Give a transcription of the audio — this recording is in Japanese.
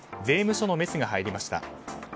税務署のメスが入りました。